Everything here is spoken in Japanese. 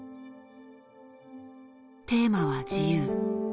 テーマは自由。